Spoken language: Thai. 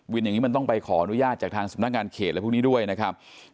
อย่างนี้มันต้องไปขออนุญาตจากทางสำนักงานเขตอะไรพวกนี้ด้วยนะครับ